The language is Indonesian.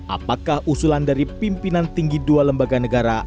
apakah usulan dari pimpinan tinggi dua lembaga negara